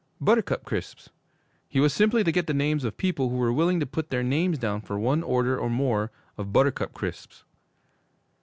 Buttercup Crisps! He was simply to get the names of people who were willing to put their names down for one order or more of Buttercup Crisps!